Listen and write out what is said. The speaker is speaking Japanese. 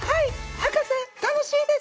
博士楽しいです！」。